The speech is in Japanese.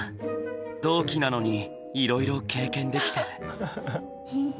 同期なのにいろいろ経験できてる。